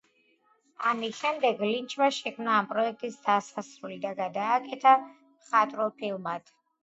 ამის შემდეგ ლინჩმა შექმნა ამ პროექტის დასასრული და გადააკეთა მხატვრულ ფილმად.